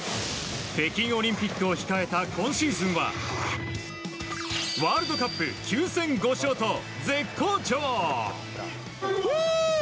北京オリンピックを控えた今シーズンはワールドカップ９戦５勝と絶好調。